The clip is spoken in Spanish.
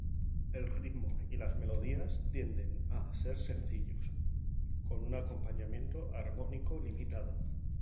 El ritmo y las melodías tienden a ser sencillos, con un acompañamiento armónico limitado.